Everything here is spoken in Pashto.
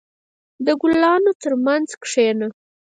• د ګلانو ترمنځ کښېنه.